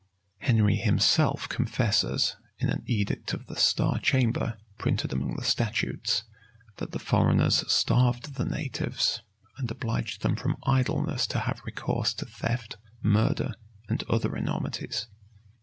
[] Henry himself confesses, in an edict of the star chamber, printed among the statutes, that the foreigners starved the natives, and obliged them from idleness to have recourse to theft, murder, and other enormities.